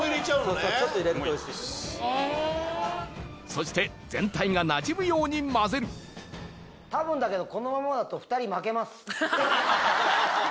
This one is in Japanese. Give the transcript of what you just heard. そして全体がなじむように混ぜる多分だけど。